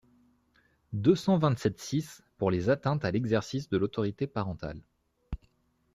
deux cent vingt-sept-six pour les atteintes à l’exercice de l’autorité parentale.